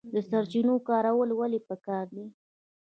د سرچینو کارول ولې پکار دي؟